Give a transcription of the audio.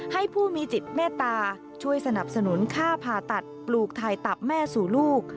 ให้ผู้มีจิตเมตตาช่วยสนับสนุนค่าผ่าตัดปลูกถ่ายตับแม่สู่ลูก